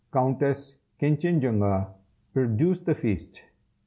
Countess Kinchinjunga, produce the feast!"